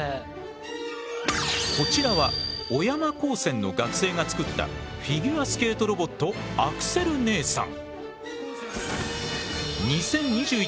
こちらは小山高専の学生が作ったフィギュアスケートロボットアクセル姉さん。